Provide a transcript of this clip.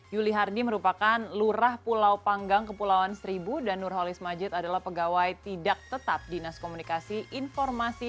yuli hardi merupakan lurah pulau panggang kepulauan seribu dan nurholis majid adalah pegawai tidak tetap dinas komunikasi informasi